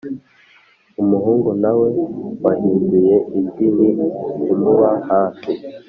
umuhungu na we wahinduye ijwi ni ukumuba hafi